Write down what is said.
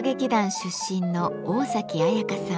出身の桜咲彩花さん。